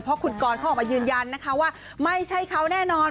เพราะคุณกรเขาออกมายืนยันนะคะว่าไม่ใช่เขาแน่นอน